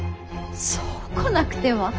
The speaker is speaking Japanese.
そう来なくては。